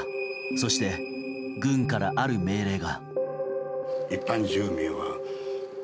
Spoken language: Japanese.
そして、軍からある命令が。